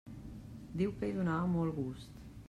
Diu que hi donava molt gust.